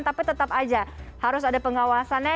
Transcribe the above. tapi tetap aja harus ada pengawasannya